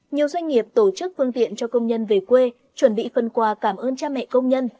nhiều doanh nghiệp tổ chức phương tiện cho công nhân về quê chuẩn bị phần quà cảm ơn cha mẹ công nhân